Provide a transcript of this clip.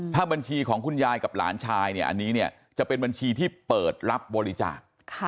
ถ้าบัญชีของคุณยายกับหลานชายเนี่ยอันนี้เนี่ยจะเป็นบัญชีที่เปิดรับบริจาค